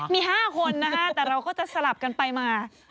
มี๕คนนะคะแต่เราก็จะสลับกันไปมา